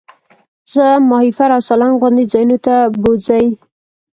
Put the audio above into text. زه ماهیپر او سالنګ غوندې ځایونو ته بوځئ.